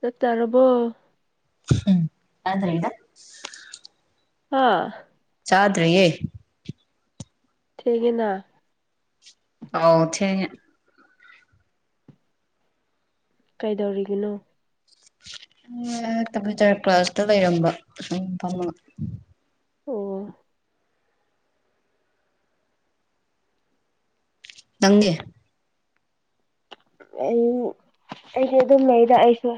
ꯆꯥꯛ ꯆꯥꯔꯕꯣ ꯎꯝ ꯆꯥꯗ꯭ꯔꯤꯗ ꯍꯥꯥ ꯆꯥꯗꯔꯤꯌꯦ ꯊꯦꯡꯉꯤꯅ ꯑꯧ ꯊꯦꯡꯉꯦ ꯀꯩꯗꯧꯔꯤꯒꯤꯅꯣ ꯀꯝꯄꯌ꯭ꯨꯇꯔ ꯀ꯭ꯂꯥꯁꯇ ꯂꯩꯔꯝꯕ ꯎꯝ ꯐꯝꯃ ꯑꯣ ꯅꯪꯗꯤ ꯑꯩ ꯑꯩꯁꯨ ꯑꯗꯨꯝ ꯂꯩꯗ ꯑꯩꯁꯨ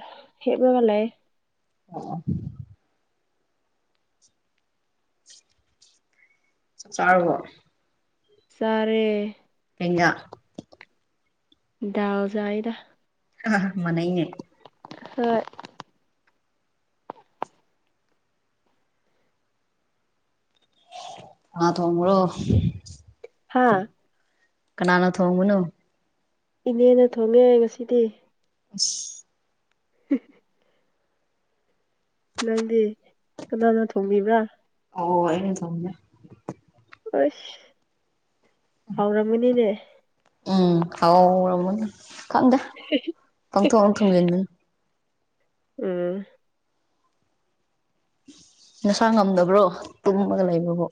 ꯍꯤꯞꯄꯒ ꯂꯩ ꯑꯣ ꯆꯥꯔꯕꯣ ꯆꯥꯔꯦ ꯀꯩ ꯏꯟꯖꯥꯡ ꯗꯥꯜ ꯆꯥꯏꯗ ꯃꯥꯟ ꯅꯩꯅꯦ ꯍꯣꯏ ꯀꯥꯅꯥ ꯊꯣꯡꯕꯔꯣ ꯍꯥꯥ ꯀꯅꯥꯅ ꯊꯣꯡꯕꯅꯣ ꯏꯅꯦꯅ ꯊꯣꯡꯉꯦ ꯉꯁꯤꯗꯤ [inaudible] [unintelligible] ꯅꯪꯗꯤ ꯀꯅꯥꯅ ꯊꯣꯡꯕꯤꯕ꯭ꯔꯥ ꯑꯣ ꯑꯩꯩꯅ ꯊꯣꯡꯉꯦ ꯑꯩꯁ ꯍꯥꯎꯔꯝꯃꯅꯤꯅꯦ ꯎꯝ ꯍꯥꯎꯔꯝ ꯈꯪꯗꯦ ꯄꯪꯊꯣꯡ ꯊꯣꯡꯖꯟꯕꯅꯤ ꯎꯝ ꯅꯁꯥ ꯉꯝꯗꯕ꯭ꯔꯣ ꯇꯨꯝꯃꯒ ꯂꯩꯕꯕꯨ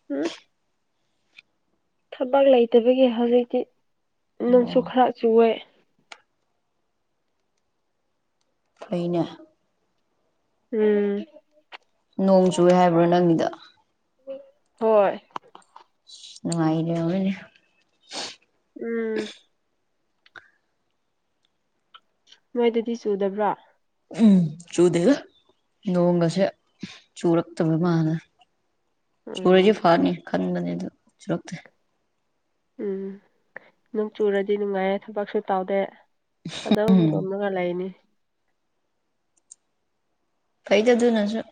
[inaudible] ꯊꯕꯛ ꯂꯩꯇꯕꯒꯤ ꯍꯧꯖꯤꯛꯇꯤ ꯑꯣ ꯅꯣꯡꯁꯨ ꯈꯔ ꯆꯨꯋꯦ ꯐꯩꯅꯦ ꯎꯝ ꯅꯣꯡ ꯆꯨꯨꯏꯌꯦ ꯍꯥꯏꯕ꯭ꯔꯣ ꯅꯪꯒꯤꯗ ꯍꯣꯏ ꯅꯨꯡꯉꯥꯏꯔꯕꯅꯤ ꯎꯝ ꯅꯣꯏꯗꯗꯤ ꯆꯨꯗꯕ꯭ꯔ ꯎꯝ ꯆꯨꯗꯦꯗ ꯅꯣꯡꯒꯁꯦ ꯆꯨꯔꯛꯇꯕ ꯃꯥꯜꯂꯦ ꯆꯨꯨꯔꯗꯤ ꯎꯝ ꯐꯔꯅꯤ ꯈꯟꯕꯅꯤ ꯑꯗꯣ ꯆꯨꯔꯛꯇꯦ ꯎꯝ ꯅꯣꯡ ꯆꯨꯔꯗꯤ ꯅꯨꯡꯉꯥꯏꯌꯦ ꯊꯕꯛꯁꯨ ꯇꯧꯗꯦ ꯑꯗꯨꯝ ꯎꯝ ꯇꯨꯝꯃꯒ ꯂꯩꯅꯤ ꯐꯩꯗ ꯑꯗꯨꯅꯁꯨ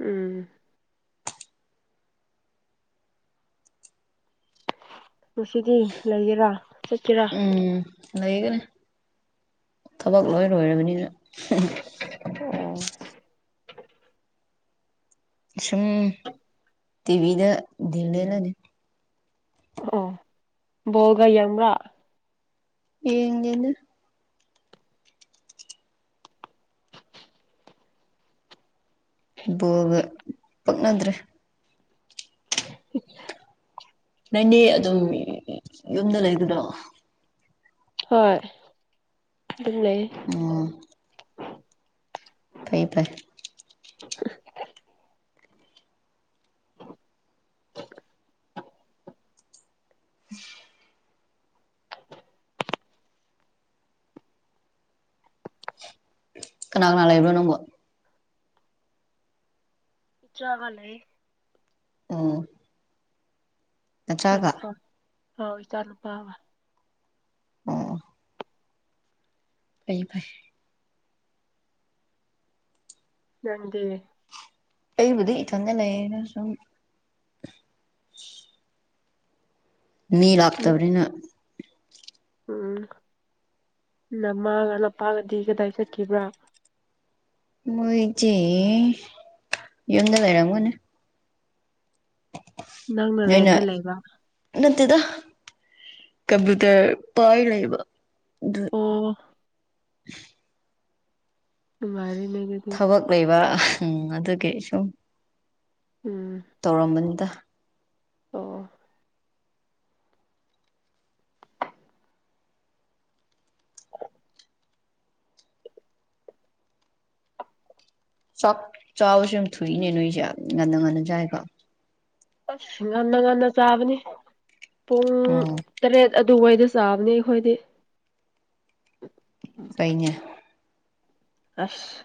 ꯎꯝ ꯉꯁꯤꯗꯤ ꯂꯩꯒꯦꯔ ꯆꯠꯀꯦꯔ ꯎꯝ ꯂꯩꯒꯅꯤ ꯊꯕꯛ ꯂꯣꯏ ꯂꯣꯏꯔꯕꯅꯤꯅ [unintelligible] ꯑꯣ ꯁꯨꯝ ꯇꯤꯚꯤꯗ ꯗꯤꯜ ꯂꯦꯜꯂꯅꯤ ꯑꯣ ꯕꯣꯜꯒ ꯌꯦꯡꯕ꯭ꯔꯥ ꯌꯦꯡꯗꯦꯗ ꯕꯣꯜꯒ ꯄꯛꯅꯗ꯭ꯔꯦ [unintelligible] ꯅꫭꯏꯅꯤ ꯑꯗꯨꯝ ꯌꯨꯝꯗ ꯂꯩꯕꯗꯣ ꯍꯣꯏ ꯗꯨꯝ ꯂꯩ ꯎꯝ ꯐꯩ ꯐꯩ [unintelligible] ꯀꯅꯥ ꯀꯅꯥ ꯂꯩꯕ꯭ꯔꯣ ꯅꯪꯕꯨ ꯆꯥꯒꯅꯤ ꯎꯝ ꯏꯆꯥ ꯅꯆꯥꯒ ꯅꯨꯄꯥ ꯑꯥꯎ ꯏꯆꯥ ꯅꯨꯄꯥꯒ ꯑꯣ ꯄꯩ ꯐꯩ ꯅꯪꯗꯤ ꯑꯩꯕꯨꯗꯤ ꯏꯊꯟꯗ ꯅꯩꯌꯦꯅ ꯁꯨꯝ ꯃꯤ ꯂꯥꯛꯇꯕꯅꯤꯅ ꯎꯝ ꯅꯃꯥꯒ ꯅꯄꯥꯒꯗꯤ ꯀꯗꯥꯏ ꯆꯠꯈꯤꯕ꯭ꯔꯥ ꯃꯣꯏꯆꯦ ꯌꯨꯝꯗ ꯂꯩꯔꯝꯒꯅꯤ ꯅꯪꯅ ꯅꯣꯏꯅ ꯔꯦꯟꯗ ꯂꯩꯕ ꯅꯠꯇꯦꯗ ꯀꯝꯄ꯭ꯨꯇꯔ ꯄꯥꯏ ꯂꯩꯕ ꯑꯗꯨ ꯑꯣ ꯅꯨꯉꯥꯏꯔ‌ꯦꯅ ꯑ ꯊꯕꯛ ꯂꯩꯕ ꯑꯗꯨꯒꯤ ꯁꯨꯝ ꯎꯝ ꯇꯧꯔꯝꯕꯅꯤꯗ ꯑꯣ ꯆꯥꯛ ꯆꯕꯁꯨ ꯌꯥꯝ ꯊꯨꯏꯅꯦ ꯅꯣꯏꯁꯦ ꯉꯟꯅ ꯉꯟꯅ ꯆꯥꯏꯀꯣ ꯑꯁ ꯉꯟꯅ ꯉꯟꯅ ꯆꯥꯕꯅꯤ ꯄꯨꯡ ꯑꯣ ꯇꯔꯦꯠ ꯑꯗꯨꯋꯥꯏꯗ ꯆꯥꯕꯅꯦ ꯑꯩꯈꯣꯏꯗꯤ ꯄꯩꯅ‌ꯦ ꯑꯁ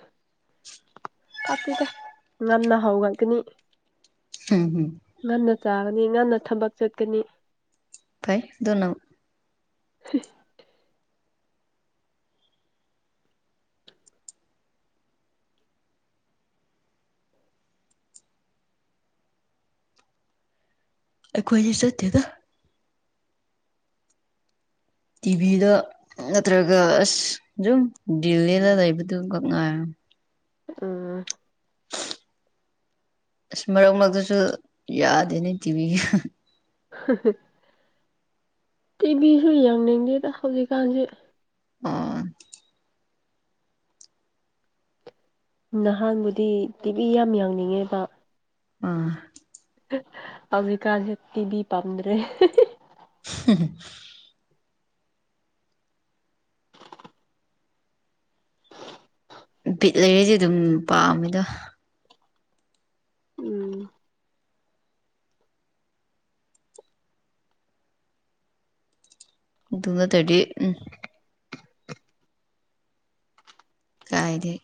ꯄꯥꯇꯦꯗ ꯉꯟꯅ ꯍꯧꯒꯠꯀꯅꯤ ꯎꯝ ꯍꯝ ꯉꯟꯅ ꯆꯥꯒꯅꯤ ꯉꯟꯅ ꯊꯕꯛ ꯆꯠꯀꯅꯤ ꯐꯩ ꯗꯨꯅ ꯑꯩꯈꯣꯏꯗꯤ ꯆꯠꯇꯦꯗ ꯇꯤꯚꯤꯗ ꯅꯠꯇ꯭ꯔꯒ ꯑꯁ ꯖꯨꯝ ꯗꯤꯜꯂꯦꯜꯂ ꯂꯩꯕꯗꯨꯒꯛ ꯉꯥꯥꯏ ꯎꯝ ꯑꯁ ꯃꯔꯛ ꯃꯔꯛꯇꯁꯨ ꯌꯥꯗꯦꯅꯦ ꯇꯤꯚꯤ ꯇꯤꯚꯤꯁꯨ ꯌꯥꯡꯅꯤꯡꯗꯦꯗ ꯍꯧꯖꯤꯛꯀꯥꯟꯁꯦ ꯑꫭ ꯅꯍꯥꯟꯕꯨꯗꯤ ꯇꯤꯚꯤ ꯌꯥꯝ ꯌꯥꯡꯅꯤꯡꯉꯦꯕ ꯑꯥ ꯍꯧꯖꯤꯀꯥꯟꯁ‌ꯦ ꯇꯤꯚꯤ ꯄꯝꯗ꯭ꯔꯦ [unintelligible] ꯕꯤꯠ ꯂꯩꯔꯗꯤ ꯑꯗꯨꯝ ꯄꯥꯝꯃꯦꯗ ꯎꯝ ꯑꯗꯨ ꯅꯠꯇꯔꯗꯤ ꯎꯝ ꯀꯥꯏꯗꯩ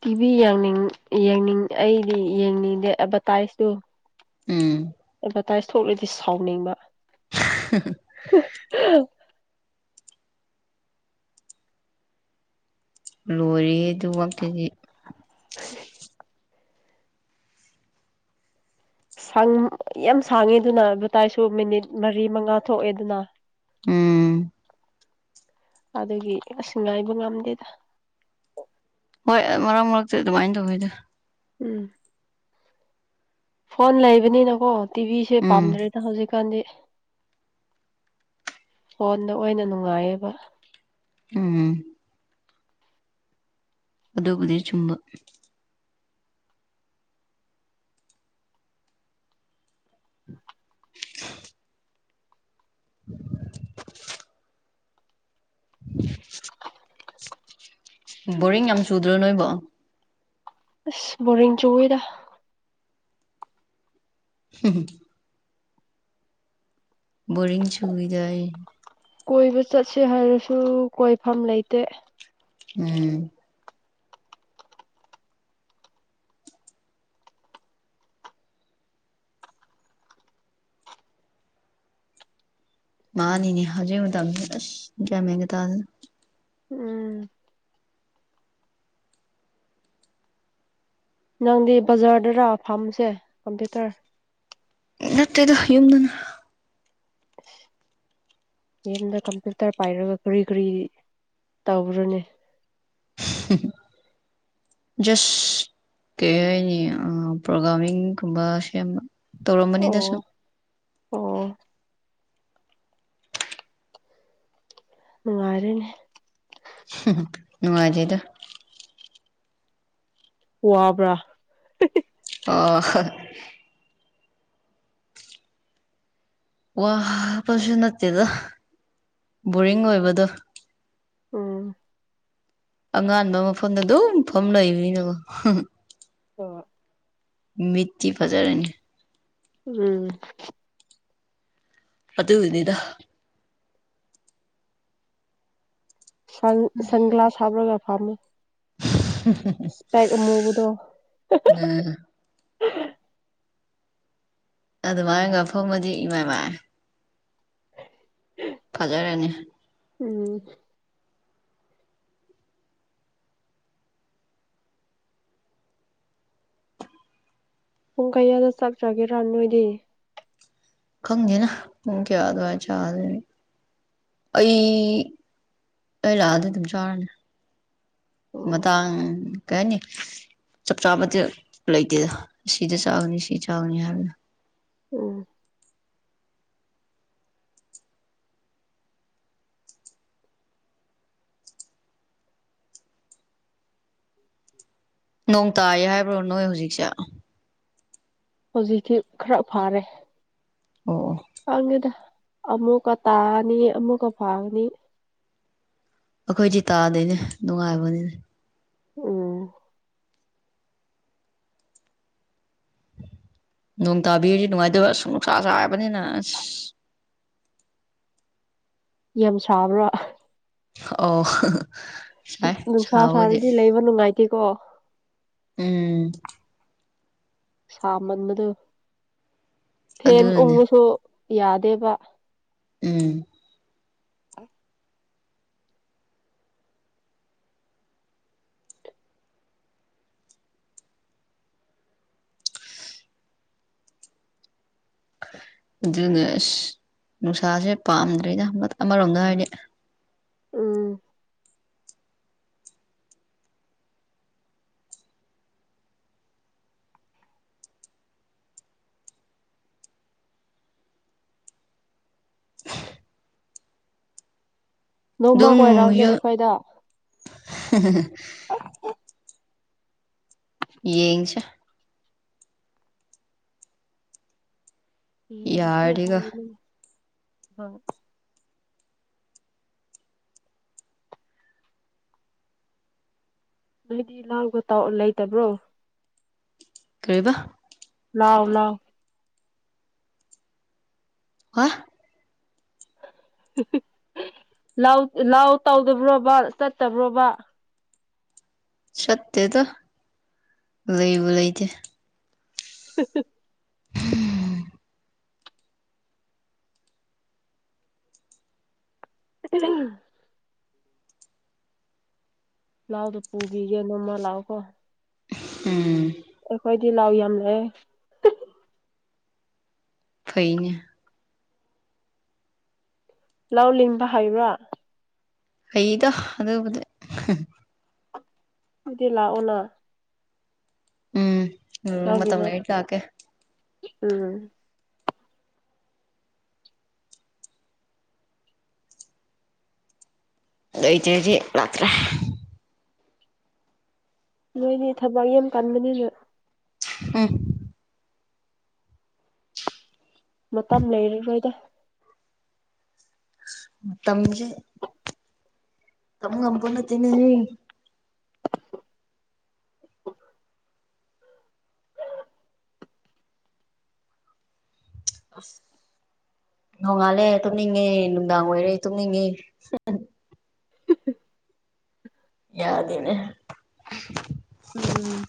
ꯇꯤꯚꯤ ꯌꯥꯡꯅꯤꯡ ꯌꯦꯡꯅꯤꯡ ꯑꯩꯗꯤ ꯌꯦꯡꯅꯤꯡꯗꯦ ꯑꯥꯕꯁꯗꯇꯥꯏꯁꯇꯨ ꯎꯝ ꯑꯦꯠꯚꯔꯇꯥꯏꯁ ꯊꯣꯛꯂꯗꯤ ꯁꯥꯎꯅꯤꯡꯕ ꯍ [unintelligible] [unintelligible] ꯂꯣꯏꯔꯦꯌꯦ ꯑꯗꯨ ꯋꯥꯛꯇꯨꯗꯤ [unintelligible] ꯁꯪ ꯌꯥꯝ ꯁꯥꯡꯉꯦ ꯑꯗꯨꯅ ꯑꯦꯕꯇꯥꯏꯁꯨ ꯃꯤꯅꯤꯠ ꯃꯔꯤ ꯃꯉꯥ ꯊꯣꯛꯑꯦ ꯑꯗꯨꯅ ꯎꯝ ꯑꯗꯨꯒꯤ ꯏꯁ ꯉꯥꯏꯕ ꯉꯝꯗꯦꯗ ꯍꯣꯏ ꯃꯔꯛ ꯃꯔꯛꯆꯦ ꯑꯗꯨꯃꯥꯏꯅ ꯇꯧꯋꯤꯗ ꯎꯝ ꯐꯣꯟ ꯂꯩꯕꯅꯤꯅꯀꯣ ꯇꯤꯚꯤꯁꯦ ꯎꯝ ꯄꯥꯝꯗ꯭ꯔꯦꯗ ꯍꯧꯖꯤꯛꯀꯥꯟꯗꯤ ꯐꯣꯟꯗ ꯑꯣꯏꯅ ꯅꯨꯡꯉꯥꯏꯌꯦꯕ ꯎꯝ ꯑꯗꯣꯕꯨꯗꯤ ꯆꯨꯝꯕ [inaudible] [inaudible] [inaudible] [unintelligible] ꯕꯣꯔꯤꯡ ꯌꯥꯝ ꯆꯨꯗ꯭ꯔꯣ ꯅꯣꯏꯕꯣ ꯑꯁ ꯕꯣꯔꯤꯡ ꯆꯨꯏꯗ ꯍꯝ [unintelligible] ꯕꯣꯔꯤꯡꯁꯨꯨꯗꯥꯏ ꯀꯣꯏꯕ ꯆꯠꯁꯦ ꯍꯥꯏꯔꯁꯨ ꯀꯣꯏꯐꯝ ꯂꯩꯇꯦ ꯎꯝ ꯃꯥꯅꯤꯅꯦ ꯍꯥꯏꯖꯤꯛ ꯃꯇꯝꯁꯦ ꯑꯥꯁ ꯌꯥꯝ ꯃꯦꯟꯒꯥ ꯇꯥꯗꯦ ꯗ ꯎꯝ ꯅꯪꯗꯤ ꯕꯖꯥꯔꯗꯔꯥ ꯐꯥꯝꯕꯁꯦ ꯀꯝꯄ꯭ꯌꯨꯇꯔ ꯅꯠꯇꯦꯗ ꯌꯨꯝꯗꯅ [inaudible] ꯌꯨꯝꯗ ꯀꯝꯄ꯭ꯌꯨꯇꯔ ꯄꯥꯏꯔꯒ ꯀꯔꯤ ꯀꯔꯤ ꯇꯧꯕ꯭ꯔꯅꯦ ꯍ ꯖꯁ ꯀꯩ ꯍꯥꯏꯅꯤ ꯄ꯭ꯔꯣꯒꯥ꯭ꯔꯒꯥꯃꯤꯡꯒꯨꯝꯕ ꯁꯦꯝꯕ ꯑꯣ ꯇꯧꯔꯝꯕꯅꯤꯗ ꯁꯨꯝ ꯑꯣ ꯅꯨꯡꯉꯥꯏꯔꯦꯅꯦ ꯅꯨꯡꯉꯥꯏꯇꯦꯗ ꯋꯥꯕ꯭ꯔꯥ ꯑ ꯋꯥꯕꯁꯨ ꯅꯠꯇꯦꯗ ꯕꯣꯔꯤꯡ ꯑꯣꯏꯕꯗꯣ ꯎꯝ ꯑꯉꯥꯟꯕ ꯃꯐꯝꯗ ꯑꯗꯨꯝ ꯐꯝ ꯂꯩꯕꯅꯤꯅꯦꯀꯣ ꯑ ꯃꯤꯇꯤ ꯐꯖꯔꯅꯤ ꯎꯝ ꯑꯗꯨꯒꯤꯅꯤ ꯗ ꯁꯟ ꯁꯟꯒ꯭ꯂꯥꯁ ꯍꯥꯕꯔꯒ ꯐꯥꯃꯦ ꯍꯨꯝ ꯍꯨꯝ ꯏꯁꯄꯦꯛ ꯑꯃꯨꯕꯗꯣ ꯑꯗꯨꯃꯥꯏꯅꯒꯥ ꯐꯝꯃꯗꯤ ꯏꯃꯥꯏ ꯃꯥꯏ ꯐꯖꯔꯅꯤ ꯎꯝ ꯄꯨꯡ ꯀꯌꯥꯗ ꯆꯥꯛ ꯆ꯭ꯔꯒꯦꯔꯥ ꯅꯣꯏꯗꯤ ꯈꯪꯗꯦꯗ ꯄꯨꯡ ꯀꯌꯥ ꯑꯗꯨꯋꯥꯏ ꯆꯥꯗꯣꯏꯅꯤ ꯑꯩ ꯑꯩ ꯂꯥꯛꯑꯗꯤ ꯑꯗꯨꯝ ꯆꯥꯔꯅꯤ ꯑꯣ ꯃꯇꯥꯡ ꯀꯩ ꯑꯥꯏꯅꯤ ꯆꯞ ꯆꯥꯕꯗꯤ ꯂꯩꯇꯦꯗ ꯁꯤꯗ ꯆꯥꯒꯅꯤ ꯁꯤ ꯆꯥꯒꯅꯤ ꯍꯥꯏꯕꯗꯣ ꯎꯝ [inaudible] ꯅꯣꯡ ꯇꯥꯌꯦ ꯍꯥꯏꯕ꯭ꯔꯣ ꯅꯣꯏ ꯍꯧꯖꯤꯛꯁꯦ ꯍꯧꯖꯤꯛꯊꯤ ꯈꯔ ꯐꯥꯔꯦ ꯑꯣ ꯑꯣ ꯑꯪꯅꯤꯗ ꯑꯃꯨꯛꯀ ꯇꯥꯅꯤ ꯑꯃꯨꯛꯀ ꯐꯥꯒꯅꯤ ꯑꯩꯈꯣꯏꯖꯤ ꯇꯥꯗꯦꯅꯦ ꯅꯨꯡꯉꯥꯏꯕꯅꯤꯅꯦ ꯎꯝ ꯅꯣꯡ ꯇꯥꯕꯤꯔꯤ ꯅꯨꯡꯉꯥꯏꯗꯧꯕ ꯑꯁ ꯅꯨꯡꯁꯥ ꯁꯥꯥꯕꯅꯤꯅ ꯑꯁ ꯌꯥꯝ ꯁꯥꯕ꯭ꯔꯣ ꯑꯣ ꯁꯥꯏ ꯅꯨꯡꯁꯥ ꯁꯥꯕꯨꯗꯤ ꯁꯥꯔꯗꯤ ꯂꯩꯕ ꯅꯨꯡꯉꯥꯏꯇꯦꯀꯣ ꯎꯝ ꯁꯥꯃꯟꯕꯗꯨ ꯐꯦꯟ ꯑꯗꯨꯅꯅꯦ ꯎꯪꯉꯁꯨ ꯌꯥꯗꯦꯕ ꯎꯝ [inaudible] ꯑꯗꯨꯅ ꯑꯁ ꯅꯨꯡꯁꯥꯁꯦ ꯄꯥꯝꯗ꯭ꯔꯦꯅ ꯑꯃꯔꯣꯝꯗ ꯍꯥꯏꯔꯗꯤ ꯎꯝ ꯅꯣꯡꯃ ꯑꯗꯨꯝ ꯀꯣꯏꯔꯥꯎꯅꯦ ꯌꯨꯝ ꯑꯩꯈꯣꯏꯗ [unintelligible] ꯌꯦꯡꯁꯦ ꯌꯦꯡꯁꯦ ꯌꯥꯔꯗꯤꯒ ꯍꯥꯏꯌꯦꯅꯦ ꯍꯣꯏ ꯅꯣꯏꯗꯤ ꯂꯥꯎꯒ ꯇꯥꯎ ꯂꯩꯇꯕ꯭ꯔꯣ ꯀꯔꯤꯕ ꯂꯥꯎ ꯂꯥꯎ [unintelligible] ꯂꯥꯎ ꯂꯥꯎ ꯇꯧꯗꯕ꯭ꯔꯣꯕ ꯆꯠꯇꯕ꯭ꯔꯣꯕ ꯆꯠꯇꯦꯗ ꯂꯩꯕꯨ ꯂꯩꯇꯦ [unintelligible] [inaudible] [inaudible] ꯄ꯭ꯂꯥꯎꯗꯣ ꯄꯨꯕꯤꯒꯅꯨ ꯃꯥ ꯂꯥꯛꯎ ꯀꯣ ꯎꯝ ꯑꯩꯈꯣꯏꯗꯤ ꯂꯥꯎ ꯌꯥꯝ ꯂꯩꯌꯦ ꯐꯩꯅꯦ ꯂꯥꯎ ꯂꯤꯡꯕ ꯍꯥꯏꯕ꯭ꯔꯥ ꯍꯩꯗ ꯑꯗꯨꯕꯨꯗꯤ ꯑꯗꯨꯗꯤ ꯂꯥꯛꯑꯣꯅ ꯎꯝ ꯅꯣꯡ ꯂꯧ ꯃꯇꯝ ꯂꯤꯡꯉ ꯂꯩꯔꯗꯤ ꯂꯥꯛꯀꯦ ꯎꯝ ꯂꯩꯇꯗꯤ ꯂꯥꯛꯇ꯭ꯔꯦ ꯅꯣꯏꯗꯤ ꯊꯕꯛ ꯌꯥꯝ ꯀꯟꯕꯅꯤꯅ ꯎꯝ ꯃꯇꯝ ꯂꯩꯔꯔꯣꯏꯗ ꯃꯇꯝꯖꯦ ꯇꯝ ꯉꯝꯄꯣꯠ ꯅꯠꯇꯦꯅꯦꯍꯦ ꯑꯁ ꯅꯣꯡꯉꯥꯜꯂꯦ ꯇꯨꯝꯅꯤꯡꯉꯦ ꯅꯨꯡꯗꯥꯡ ꯑꯣꯏꯔꯦ ꯇꯨꯝꯅꯤꯡꯉꯦ ꯌꯥꯗꯦꯅꯦ ꯎꯝ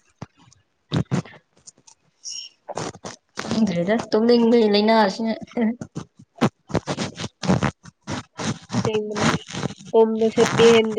ꯈꯪꯗ꯭ꯔꯦꯗ ꯇꯨꯝꯅꯤꯡꯕꯒꯤ ꯂꯩꯥꯏꯅꯥ ꯑꯁꯤꯅ ꯁꯦꯡꯕꯅꯦ ꯇꯨꯝꯕꯁꯦ ꯄꯦꯟꯗꯦ